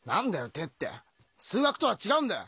手って数学とは違うんだよ。